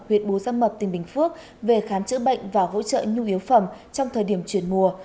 huyệt bùi giang mập tỉnh bình phước về khám chữa bệnh và hỗ trợ nhu yếu phẩm trong thời điểm chuyển mùa